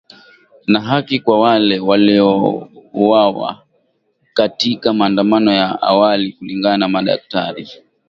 na haki kwa wale waliouawa katika maandamano ya awali kulingana na madaktari